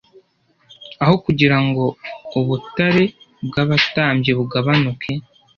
aho kugira ngo ubut«-are bw'abatambyi bugabanuke.